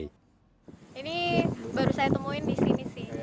ini baru saya temuin di sini sih